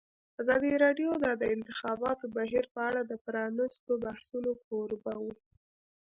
ازادي راډیو د د انتخاباتو بهیر په اړه د پرانیستو بحثونو کوربه وه.